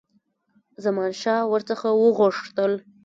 زمانشاه ور څخه وغوښتل.